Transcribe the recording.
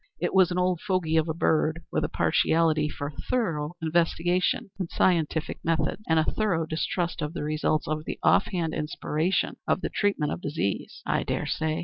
It was an old fogy of a bird, with a partiality for thorough investigation and scientific methods, and a thorough distrust of the results of off hand inspiration in the treatment of disease." "I dare say.